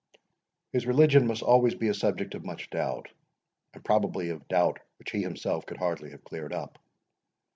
His religion must always be a subject of much doubt, and probably of doubt which he himself could hardly have cleared up.